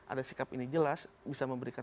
ada sikap ini jelas bisa memberikan